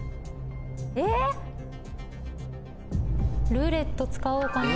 「ルーレット」使おうかな。